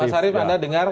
mas arief ada dengar